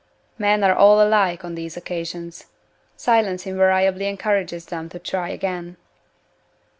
Men are all alike on these occasions. Silence invariably encourages them to try again.